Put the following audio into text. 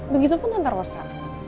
begitu pun tante rosa